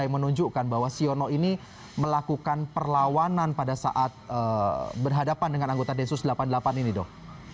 yang menunjukkan bahwa siono ini melakukan perlawanan pada saat berhadapan dengan anggota densus delapan puluh delapan ini dok